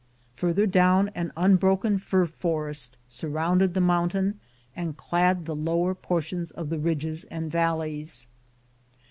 Farther down an unbroken fir forest surrounded the mountain and clad the lower portions of the ridges and valleys.